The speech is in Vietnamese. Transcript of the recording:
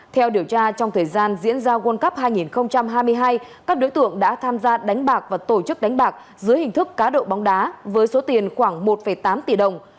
theo điều tra trong thời gian diễn ra world cup hai nghìn hai mươi hai các đối tượng đã tham gia đánh bạc và tổ chức đánh bạc dưới hình thức cá độ bóng đá với số tiền khoảng một tám tỷ đồng